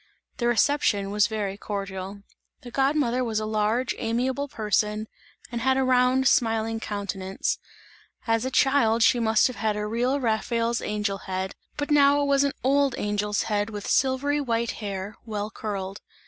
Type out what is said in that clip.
The reception was very cordial. The god mother was a large amiable person and had a round smiling countenance; as a child she must have had a real Raphael's angel head, but now it was an old angel's head with silvery white hair, well curled.